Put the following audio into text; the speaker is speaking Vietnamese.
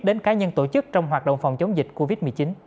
đến cá nhân tổ chức trong hoạt động phòng chống dịch covid một mươi chín